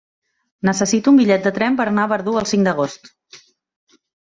Necessito un bitllet de tren per anar a Verdú el cinc d'agost.